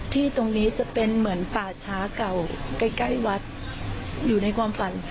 ที่ตรงนี้จะเป็นเหมือนป่าช้าเก่า